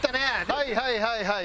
はいはいはいはい。